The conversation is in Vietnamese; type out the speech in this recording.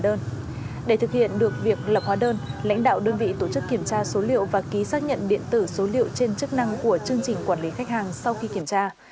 để thực hiện được việc lập hóa đơn lãnh đạo đơn vị tổ chức kiểm tra số liệu và ký xác nhận điện tử số liệu trên chức năng của chương trình quản lý khách hàng sau khi kiểm tra